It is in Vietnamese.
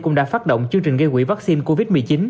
cũng đã phát động chương trình gây quỹ vaccine covid một mươi chín